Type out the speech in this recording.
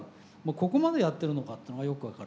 ここまでやってるのかというのがよく分かる。